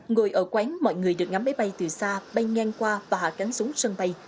ngồi ở quán mọi người được ngắm máy bay từ xa bay ngang qua và hạ cánh xuống sân bay